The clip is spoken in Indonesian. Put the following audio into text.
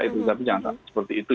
tapi jangan sampai seperti itu